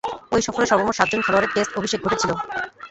ঐ সফরে সর্বমোট সাতজন খেলোয়াড়ের টেস্ট অভিষেক ঘটেছিল।